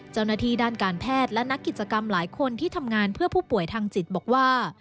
เจ้าหน้าที่ด้านการแพทย์และนักกิจกรรมหลายคนที่ทำงานเพื่อผู้ป่วยทางจิตบอกว่า